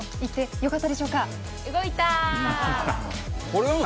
よかった。